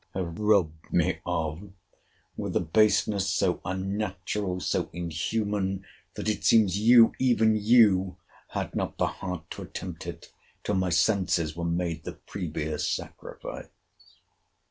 have robbed me of, with a baseness so unnatural, so inhuman, that it seems you, even you, had not the heart to attempt it, till my senses were made the previous sacrifice.